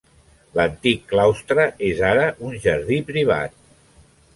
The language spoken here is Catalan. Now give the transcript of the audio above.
L'antic claustre és ara un jardí privat.